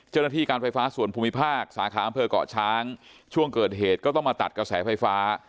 เจ้าหน้าที่การไฟฟ้าส่วนภูมิภาคสาขาอำเภอกเกาะช้างช่วงเกิดเหตุก็ต้องมาตัดกระแสไฟฟ้า